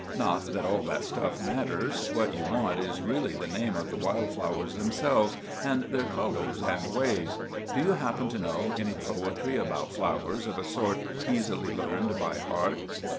Not that all that stuff matters. What you want is really the name of the wild flowers themselves and their colours and ways. Do you happen to know any poetry about flowers of a sort easily learned by heart?"